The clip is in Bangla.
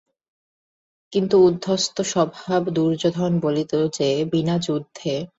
কিন্তু উদ্ধতস্বভাব দুর্যোধন বলিল যে, বিনাযুদ্ধে সূচ্যগ্রপরিমিত ভূমিও পাণ্ডবগণকে দেওয়া হইবে না।